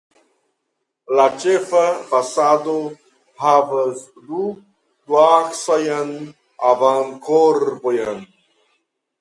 La ĉefa fasado havas du duaksajn avankorpojn.